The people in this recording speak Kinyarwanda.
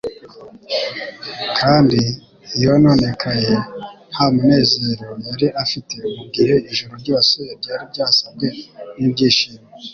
kandi yononekaye nta munezero yari ifite mu gihe ijuru ryose ryari ryasabwe n'ibyishimo.